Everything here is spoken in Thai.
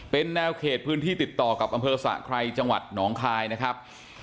เป็นแนวเขตพื้นที่ติดต่อกับอำเภอสะไครจังหวัดหนองคายนะครับ